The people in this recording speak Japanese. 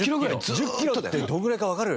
１０キロってどのくらいかわかる？